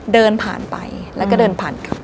เดินผ่านไปแล้วก็เดินผ่านกลับ